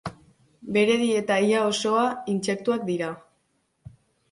Bere dieta ia osoa intsektuak dira.